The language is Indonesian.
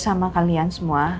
sama kalian semua